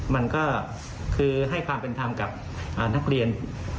มันก็คือให้ความเป็นธรรมกับนักเรียน